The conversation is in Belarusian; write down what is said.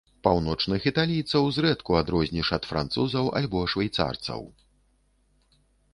Паўночных італійцаў зрэдку адрозніш ад французаў альбо швейцарцаў.